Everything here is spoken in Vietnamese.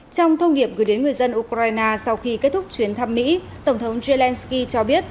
trong thông điệp gửi đến người dân ukraine sau khi kết thúc chuyến thăm mỹ tổng thống zelensky cho biết